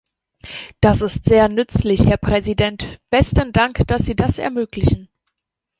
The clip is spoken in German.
Das ist sehr nützlich, Herr Präsident, besten Dank, dass Sie das ermöglichen.